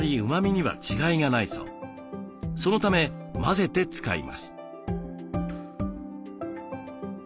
そのため混ぜて使います。